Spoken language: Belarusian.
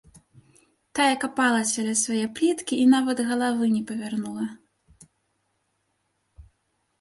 Тая капалася ля свае пліткі і нават галавы не павярнула.